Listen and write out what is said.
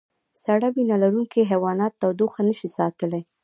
سړه وینه لرونکي حیوانات تودوخه نشي ساتلی